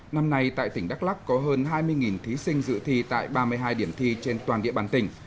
năm nay tại tỉnh đắk lắc có hơn hai mươi thí sinh dự thi tại ba mươi hai điểm thi trên toàn địa bàn tỉnh